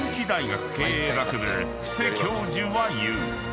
［布施教授は言う］